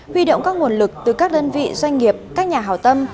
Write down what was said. huy động các nguồn lực từ các đơn vị doanh nghiệp các nhà hào tâm